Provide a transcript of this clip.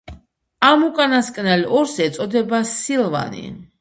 ამ უკანასკნელ ორს ეწოდებოდა სილვანი.